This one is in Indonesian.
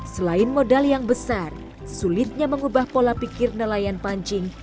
selain modal yang besar sulitnya mengubah pola pikir nelayan pancing